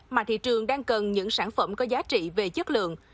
mà thị trường đang cần những sản phẩm có giá trị về chất lượng